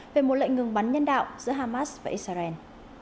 về một lệnh ngừng bắn nhân đạo giữa hamas và israel